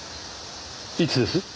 いつです？